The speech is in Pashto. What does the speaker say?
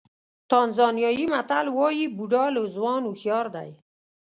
تانزانیايي متل وایي بوډا له ځوان هوښیار دی.